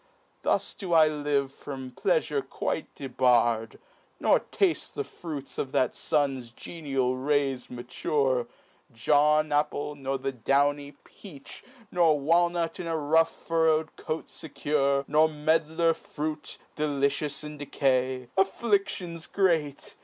Thus do I live from pleafure quite debarr'd, Nor tafte the fruits that the fun's genial rays Mature, John Apple, nor the downy Peach, 48 THE SPLENDID SHILLING. Nor Walnut in rough furrow' d coat fecure, Nor Medlar fruit, delicious in decay : Afflictions great